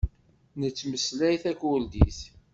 Nettmeslay takurdit.